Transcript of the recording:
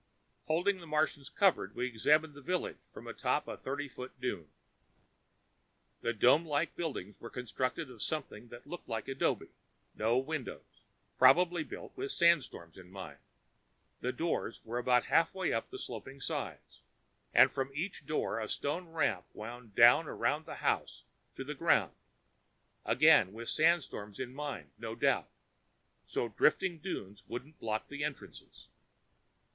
Holding the Martians covered, we examined the village from atop the thirty foot dune. The domelike buildings were constructed of something that looked like adobe. No windows probably built with sandstorms in mind. The doors were about halfway up the sloping sides, and from each door a stone ramp wound down around the house to the ground again with sandstorms in mind, no doubt, so drifting dunes wouldn't block the entrances.